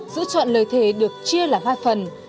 giữ chọn lời thề được chia làm hai phần